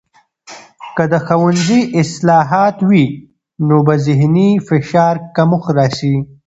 که د ښوونځي اصلاحات وي، نو به د ذهني فشار کمښت راسي.